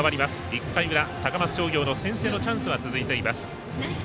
１回裏高松商業の先制のチャンスは続いています。